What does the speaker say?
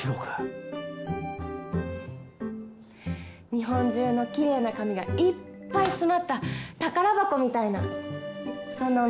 日本中のきれいな紙がいっぱい詰まった宝箱みたいなそんなお店にしたくて。